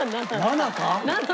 ７か？